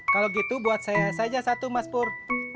kalau gitu buat saya saja satu mas pur